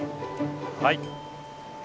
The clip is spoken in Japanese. はい。